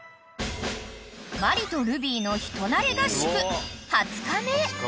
［マリとルビーの人馴れ合宿２０日目］